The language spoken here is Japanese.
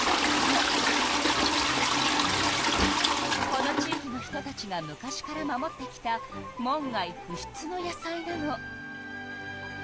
この地いきの人たちが昔から守ってきた門外不出の野菜なの。